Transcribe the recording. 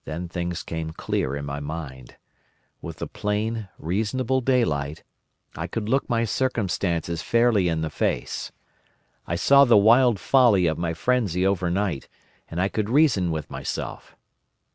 Then things came clear in my mind. With the plain, reasonable daylight, I could look my circumstances fairly in the face. I saw the wild folly of my frenzy overnight, and I could reason with myself.